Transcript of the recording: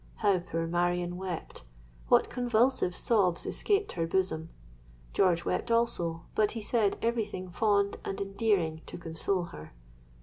How poor Marion wept!—what convulsive sobs escaped her bosom! George wept also; but he said every thing fond and endearing to console her.